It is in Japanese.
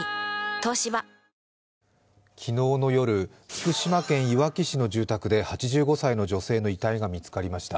東芝昨日の夜、福島県いわき市の住宅で８５歳の女性の遺体が見つかりました。